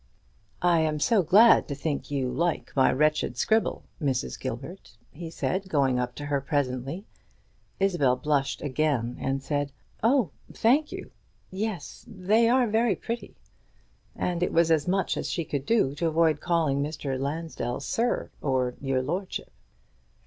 "I am so glad to think you like my wretched scribble, Mrs. Gilbert," he said, going up to her presently. Isabel blushed again, and said, "Oh, thank you; yes, they are very pretty;" and it was as much as she could do to avoid calling Mr. Lansdell "Sir" or "Your lordship."